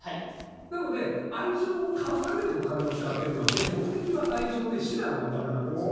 なので愛情を買うためにお金を使っているので目的は愛情で手段がお金になってます。